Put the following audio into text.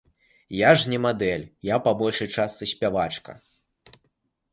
Я ж не мадэль, я па большай частцы спявачка.